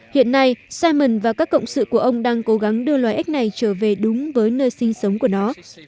hiện nay simond và các cộng sự của ông đang cố gắng đưa loài ếch này trở về đúng với nơi sinh sống của nó